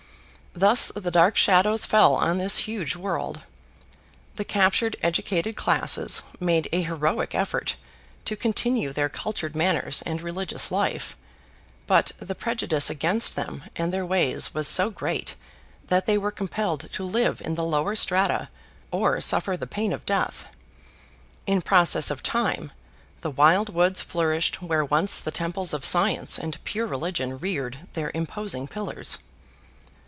Thus the dark shadows fell on this huge world. The captured educated classes made a heroic effort to continue their cultured manners and religious life, but the prejudice against them and their ways was so great that they were compelled to live in the lower strata or suffer the pain of death. In process of time, the wild woods flourished where once the temples of science and pure religion reared their imposing pillars.